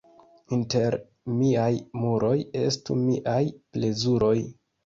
Inter miaj muroj estu miaj plezuroj.